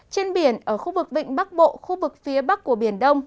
trên biển ở khu vực vịnh bắc bộ khu vực phía bắc của biển đông